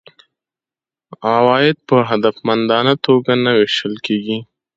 عواید په هدفمندانه توګه نه وېشل کیږي.